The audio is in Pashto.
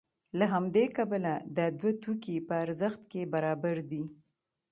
له همدې کبله دا دوه توکي په ارزښت کې برابر دي